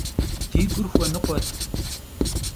Di gur xuenıkhuet.